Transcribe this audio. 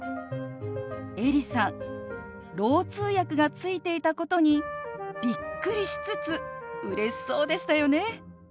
エリさんろう通訳がついていたことにびっくりしつつうれしそうでしたよね。